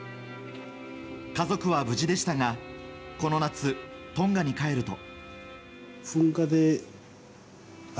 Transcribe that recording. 家族は無事でしたがこの夏、トンガに帰ると。